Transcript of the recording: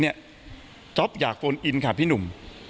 จ๊อปอยากโฟนอินค่ะพี่หนุ่ม